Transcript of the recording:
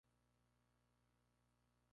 Es la marioneta sable de Nueva Texas.